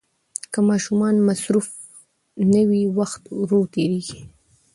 که ماشومان مصروف نه وي، وخت ورو تېریږي.